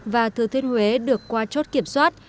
và thứ thiên huế được qua chốt kiểm soát